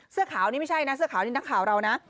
เสื้อขาวนี่ไม่ใช่นะเสื้อขาวนี่นักข่าวเรานะ